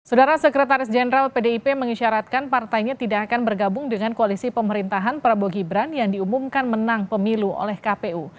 saudara sekretaris jenderal pdip mengisyaratkan partainya tidak akan bergabung dengan koalisi pemerintahan prabowo gibran yang diumumkan menang pemilu oleh kpu